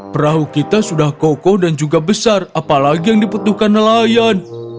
perahu kita sudah kokoh dan juga besar apalagi yang diputuhkan nelayan